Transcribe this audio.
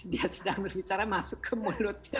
dia sedang berbicara masuk ke mulutnya